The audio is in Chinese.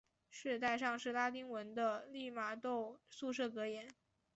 饰带上是拉丁文的利玛窦宿舍格言。